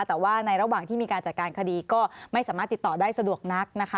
แต่ว่าในระหว่างที่มีการจัดการคดีก็ไม่สามารถติดต่อได้สะดวกนักนะคะ